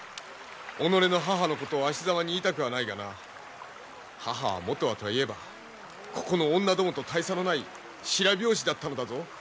己の母のことをあしざまに言いたくはないがな母は元はと言えばここの女どもと大差のない白拍子だったのだぞ！